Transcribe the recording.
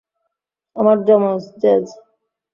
আমার জমজ, জ্যাজ।